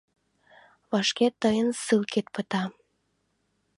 Вашке тыйын ссылкет пыта.